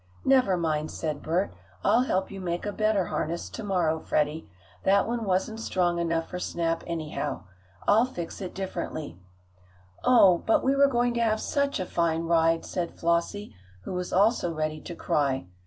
"Never mind," said Bert. "I'll help you make a better harness to morrow, Freddie. That one wasn't strong enough for Snap, anyhow. I'll fix it differently." "Oh, but we were going to have such a fine ride!" said Flossie, who was also ready to cry.